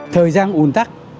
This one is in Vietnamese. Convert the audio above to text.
thời gian ủng tắc